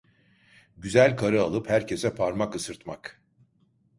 Güzel karı alıp herkese parmak ısırtmak…